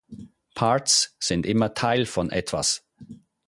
Parts sind immer Teil von etwas.